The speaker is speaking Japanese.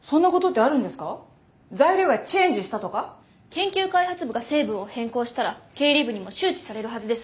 研究開発部が成分を変更したら経理部にも周知されるはずです。